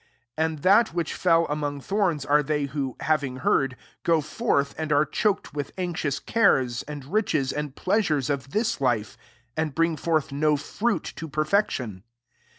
14 And that which fell among thorns are they^ who> having heard, go forth, and are choked with anxious cares, and riches, and pleasures of this life, and bring forth no fruit to per fection.